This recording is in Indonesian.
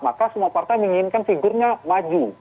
maka semua partai menginginkan figurnya maju